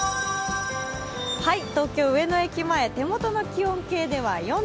東京・上野駅前、手元の気温計では４度。